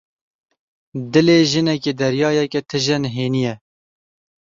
Dilê jinekê deryayeke tije nihênî ye.